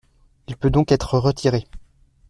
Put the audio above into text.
Il peut donc être retiré.